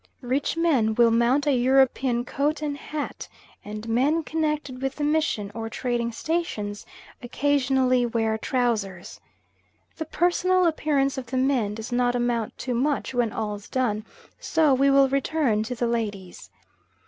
Rich men will mount a European coat and hat, and men connected with the mission or trading stations occasionally wear trousers. The personal appearance of the men does not amount to much when all's done, so we will return to the ladies.